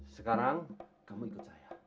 sekarang kamu ikut saya